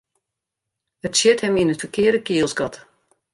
It sjit him yn it ferkearde kielsgat.